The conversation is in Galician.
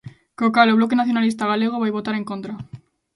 Co cal, o Bloque Nacionalista Galego vai votar en contra.